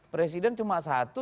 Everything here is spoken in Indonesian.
presiden cuma satu